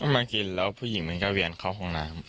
มากินแล้วผู้หญิงมันก็เวียนเข้าห้องน้ำ